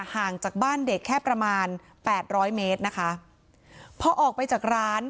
ห่างจากบ้านเด็กแค่ประมาณแปดร้อยเมตรนะคะพอออกไปจากร้าน